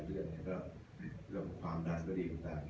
คือแบบความดันก็ดีของแบบนี้